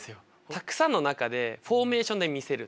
たくさんの中でフォーメーションで見せるとか。